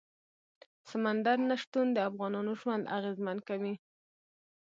سمندر نه شتون د افغانانو ژوند اغېزمن کوي.